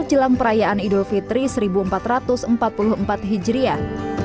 jelang perayaan idul fitri seribu empat ratus empat puluh empat hijriah